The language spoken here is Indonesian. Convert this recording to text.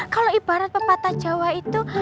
kalau ibarat pepatah jawa itu